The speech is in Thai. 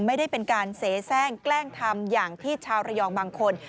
ไม่ได้เป็นการเสียแทร่งแกล้งทำอย่างที่ชาวระยองบางคน